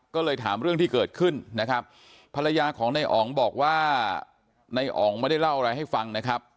ก็เลยถามเรื่องที่เกิดขึ้นนะครับภรรยาของนายอ๋องบอกว่าในอ๋องไม่ได้เล่าอะไรให้ฟังนะครับ